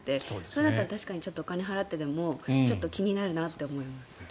それだったら確かにお金をちょっと払ってでもちょっと気になるなと思います。